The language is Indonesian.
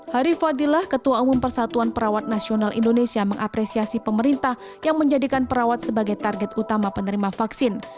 hari fadilah ketua umum persatuan perawat nasional indonesia mengapresiasi pemerintah yang menjadikan perawat sebagai target utama penerima vaksin